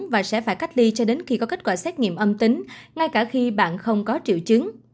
và sẽ phải cách ly cho đến khi có kết quả xét nghiệm âm tính ngay cả khi bạn không có triệu chứng